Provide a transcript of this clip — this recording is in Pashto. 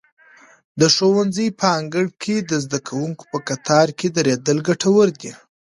د ښوونځي په انګړ کې د زده کوونکو په کتار کې درېدل ګټور دي.